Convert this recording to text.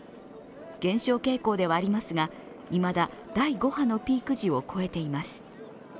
減少傾向ではありますが、いまだ第５波のピーク時を超えています。